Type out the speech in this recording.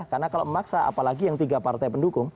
karena kalau memaksa apalagi yang tiga partai pendukung